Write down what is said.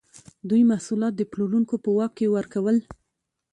دوی محصولات د پلورونکو په واک کې ورکول.